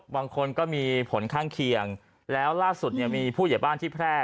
บางคนก็มีผลข้างเคียงแล้วล่าสุดเนี่ยมีผู้ใหญ่บ้านที่แพร่